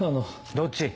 どっち？